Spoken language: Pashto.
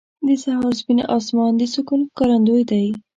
• د سهار سپین اسمان د سکون ښکارندوی دی.